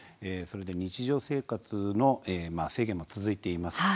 日常生活の制限も続いています。